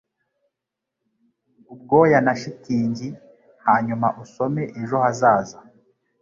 ubwoya na shitingi hanyuma usome ejo hazaza